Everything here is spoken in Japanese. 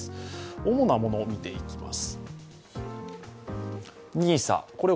主なもの、見ていきます。